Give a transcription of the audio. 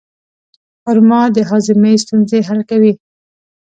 خرما د هاضمې ستونزې حل کوي.